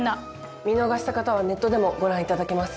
見逃した方はネットでもご覧頂けます。